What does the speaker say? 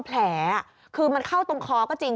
แผลคือมันเข้าตรงคอก็จริง